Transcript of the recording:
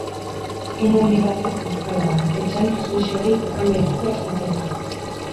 Hein handi batez kulturala da, etxean transmisio hori ukan baitugu hastapenetik.